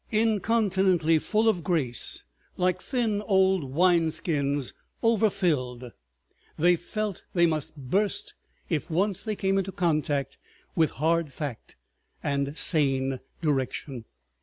Incontinently full of grace, like thin old wine skins overfilled, they felt they must burst if once they came into contact with hard fact and sane direction.